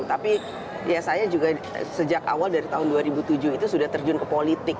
tapi ya saya juga sejak awal dari tahun dua ribu tujuh itu sudah terjun ke politik